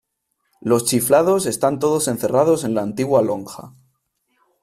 Los chiflados están todos encerrados en la antigua lonja.